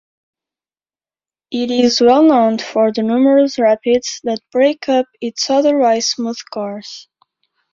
It is well-known for the numerous rapids that break up its otherwise smooth course.